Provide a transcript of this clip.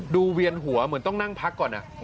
เวียนหัวเหมือนต้องนั่งพักก่อน